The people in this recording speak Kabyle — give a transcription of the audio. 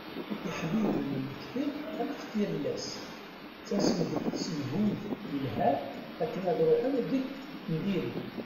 Iḥbiben n lekdeb am tfirellas. Ttasen-d deg tsemhuyt yelhan akken ad ruḥen deg n diri.